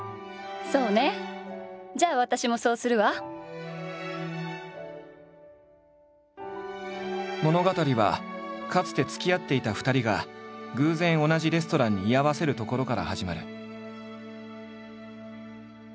亀梨の一番のお気に入り物語はかつてつきあっていた２人が偶然同じレストランに居合わせるところから始まる。